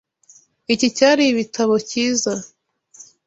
Iki cyari ibitabo cyiza.